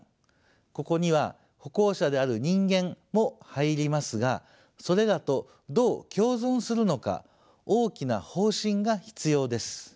ここには歩行者である人間も入りますがそれらとどう共存するのか大きな方針が必要です。